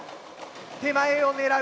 手前を狙う。